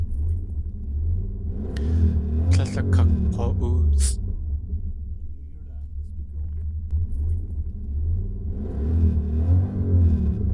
Tlél akakg̲wa.óosʼ.